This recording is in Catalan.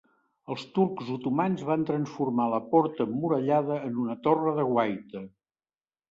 Els turcs otomans van transformar la porta emmurallada en una torre de guaita.